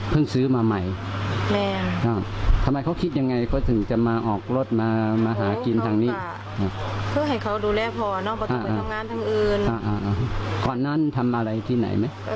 พ่อก็ต้องมาหาเงินเนาะ